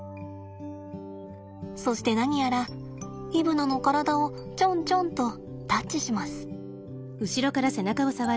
そして何やらイブナの体をチョンチョンとタッチします。